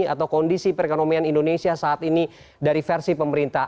atau kondisi perekonomian indonesia saat ini dari versi pemerintah